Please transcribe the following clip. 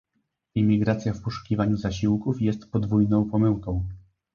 Imigracja w poszukiwaniu zasiłków jest podwójną pomyłką